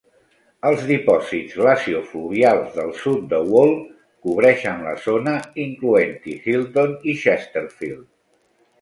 Els dipòsits glaciofluvials del sud de Wall cobreixen la zona, incloent-hi Hilton i Chesterfield.